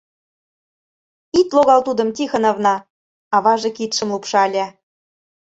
— Ит логал тудым, Тихоновна, — аваже кидшым лупшале.